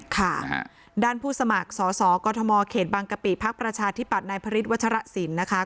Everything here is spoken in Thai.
ค่ะด้านผู้สมัครสสกเขตบังกะปิพธิปัตย์นพศนะคะ